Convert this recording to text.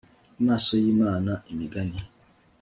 maso y Imana Imigani